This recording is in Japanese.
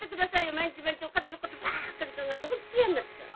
毎日毎日おかずのことばっかり考えて本当嫌になっちゃう。